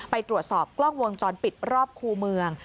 ไปตรวจสอบกล้องวงจรปิดรอบคู่เมือง